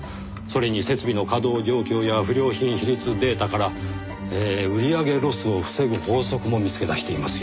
それに設備の稼働状況や不良品比率データから売り上げロスを防ぐ法則も見つけ出していますよ。